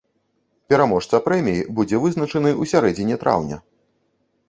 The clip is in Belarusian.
Пераможца прэміі будзе вызначаны ў сярэдзіне траўня.